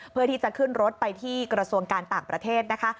เพื่อที่จะขึ้นรถไปที่กระทรวงการต่างประเทศนะคะ